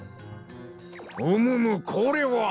うむむこれは！